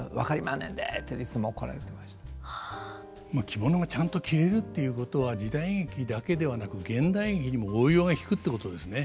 着物がちゃんと着れるっていうことは時代劇だけではなく現代劇にも応用が利くってことですね。